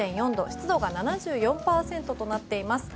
湿度が７４％となっています。